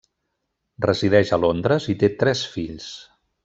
Resideix a Londres i té tres fills.